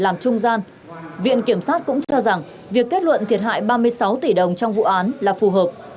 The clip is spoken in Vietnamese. làm trung gian viện kiểm sát cũng cho rằng việc kết luận thiệt hại ba mươi sáu tỷ đồng trong vụ án là phù hợp